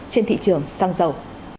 trên thị trường săng dầu